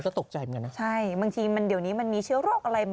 ก็จะมีเหมือนอันทีเดี๋ยวนี้มันมีเชื้อโรคอะไร